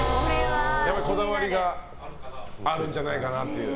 こだわりがあるんじゃないかなという。